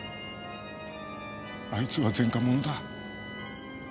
「あいつは前科者だ」。